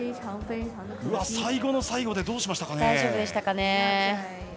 最後の最後で、どうしましたかね。